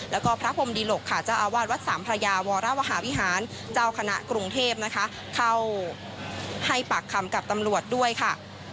แล้วก็พระพรมดิหลกค่ะเจ้าอาวาสวัดสามพระยาวรวหาวิหารเจ้าคณะกรุงเทพนะคะเข้าให้ปากคำกับตำรวจด้วยค่ะ